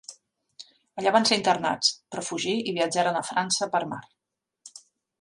Allà van ser internats, però fugí i viatjaren a França per mar.